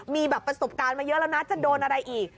มีแบบประสบการณ์มาเยอะแล้วนะจะโดนอะไรอีก